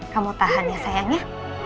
kamu tahan ya sayangnya